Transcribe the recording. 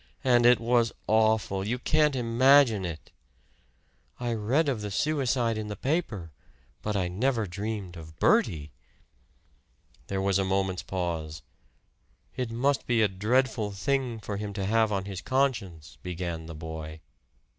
"And it was awful! You can't imagine it!" "I read of the suicide in the paper. But I never dreamed of Bertie!" There was a moment's pause. "It must be a dreadful thing for him to have on his conscience" began the boy.